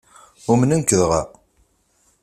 Umnen-k dɣa?